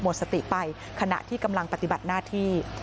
หมดสติไปขณะที่กำลังปฏิบัติหน้าที่